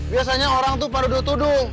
biasanya orang itu pada dua tudung